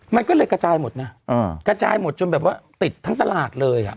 มันก็เลยกระจายหมดนะกระจายหมดจนแบบว่าติดทั้งตลาดเลยอ่ะ